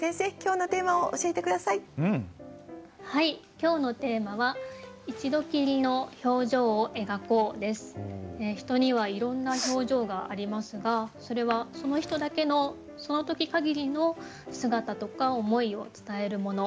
今日のテーマは人にはいろんな表情がありますがそれはその人だけのその時限りの姿とか思いを伝えるもの。